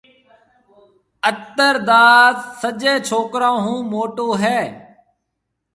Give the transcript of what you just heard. اتر داس سجيَ ڇوڪرون هون موٽو هيَ۔